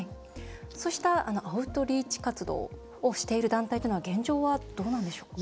そうしたアウトリーチ活動をしている団体というのは現状はどうなんでしょうか？